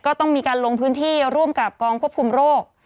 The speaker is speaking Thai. ก็ต้องมีการลงพื้นที่ร่วมกับกองควบคุมโรค